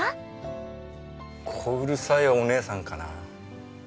小うるさいお姉さんかな。